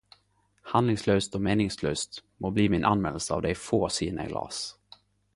Handlingslaust og meiningslaust må bli min anmeldelse av dei få sidene eg las.